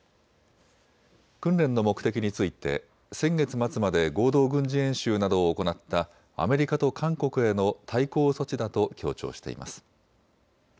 訓練の目的について、先月末まで合同軍事演習などを行ったアメリカと韓国への対抗措置だと強調しています。